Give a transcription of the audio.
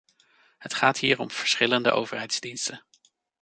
Het gaat hier om verschillende overheidsdiensten.